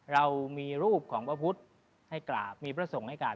เรามีรูปของพระพุทธให้กราบมีพระสงฆ์ให้การ